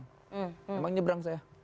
memang menyebrang saya